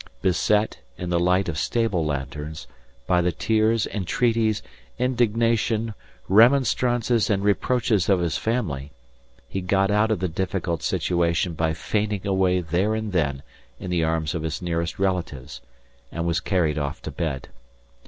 Beset, in the light of stable lanterns, by the tears, entreaties, indignation, remonstrances and reproaches of his family, he got out of the difficult situation by fainting away there and then in the arms of his nearest relatives, and was carried off to bed.